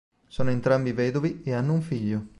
Sono entrambi vedovi e hanno un figlio.